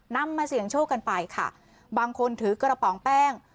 นำมาเสี่ยงโชคกันไปค่ะบางคนถือกระป๋องแป้ง